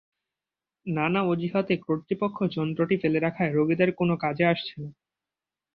নানা অজুহাতে কর্তৃপক্ষ যন্ত্রটি ফেলে রাখায় রোগীদের কোনো কাজে আসছে না।